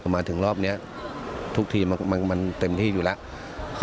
มาถึงรอบนี้ทุกทีมมันเต็มที่อยู่แล้ว